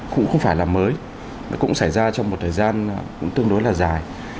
cũng không phải là mới cũng xảy ra trong một thời gian cũng tương đối là dài